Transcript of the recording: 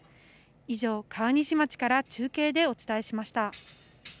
以上、川西町から中継でお伝えしました。